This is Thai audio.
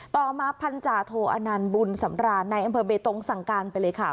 ต่อมาพันธาโทอนันต์บุญสำราญในอำเภอเบตงสั่งการไปเลยค่ะ